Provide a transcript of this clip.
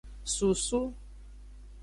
Susu.